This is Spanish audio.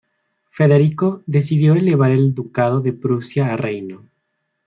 Federico decidió elevar el ducado de Prusia a reino.